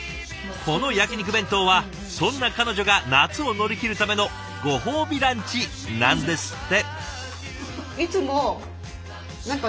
この焼き肉弁当はそんな彼女が夏を乗り切るためのご褒美ランチなんですって。